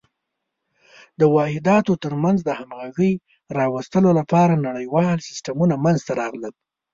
د واحداتو تر منځ د همغږۍ راوستلو لپاره نړیوال سیسټمونه منځته راغلل.